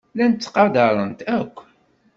Llan ttqadaren-t akk.